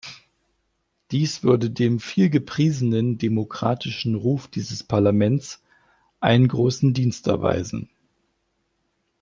Dies würde dem viel gepriesenen demokratischen Ruf dieses Parlaments einen großen Dienst erweisen.